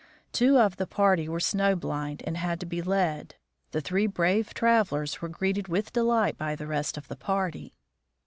Two of the party were snow blind and had to be led. The three brave travelers were greeted with delight by the rest of the party.